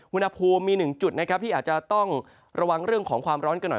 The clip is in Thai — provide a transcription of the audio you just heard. อุณหภูมิมีหนึ่งจุดนะครับที่อาจจะต้องระวังเรื่องของความร้อนกันหน่อย